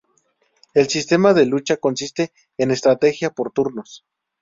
El sistema de lucha consiste en estrategia por turnos.